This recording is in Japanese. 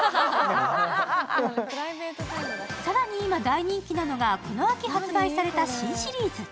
更に今、大人気なのがこの秋発売された新シリーズ。